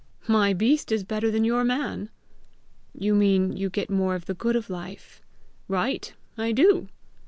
"My beast is better than your man!" "You mean you get more of the good of life!" "Right! I do."